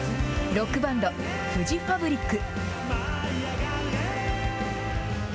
ロックバンドフジファブリック。